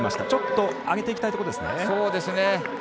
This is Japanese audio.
ちょっと上げていきたいですね。